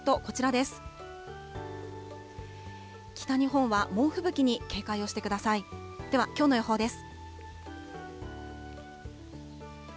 では、きょうの予報です。